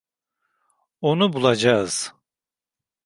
Onu bulacağız.